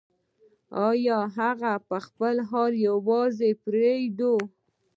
یا هغه په خپل حال یوازې پرېږدو.